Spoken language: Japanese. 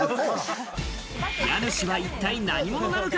家主は一体何者なのか？